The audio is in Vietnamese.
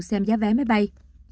xem giá vé máy bay